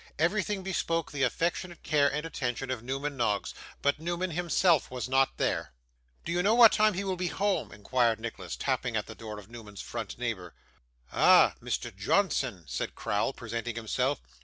Everything bespoke the affectionate care and attention of Newman Noggs, but Newman himself was not there. 'Do you know what time he will be home?' inquired Nicholas, tapping at the door of Newman's front neighbour. 'Ah, Mr. Johnson!' said Crowl, presenting himself.